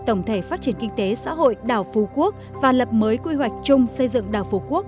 tổng thể phát triển kinh tế xã hội đảo phú quốc và lập mới quy hoạch chung xây dựng đảo phú quốc